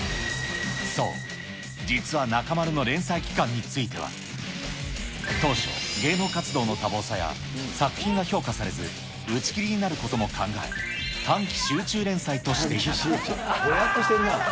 そう、実は中丸の連載期間については、当初、芸能活動の多忙さや、作品が評価されず打ち切りになることも考え、短期集中連載としていたが。